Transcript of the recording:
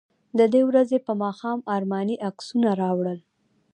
د دې ورځې په ماښام ارماني عکسونه راوړل.